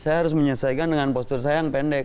saya harus menyelesaikan dengan postur saya yang pendek